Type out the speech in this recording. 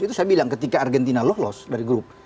itu saya bilang ketika argentina lolos dari grup